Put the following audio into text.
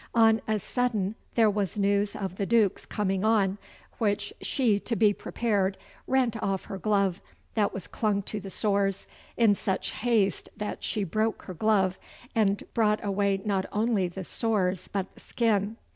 On a sudden there was news of the Duke's coming on, which she to be prepared rent off her glove, that was clung to the sores, in such haste that she broke her glove, and brought away not only the sores but the skin.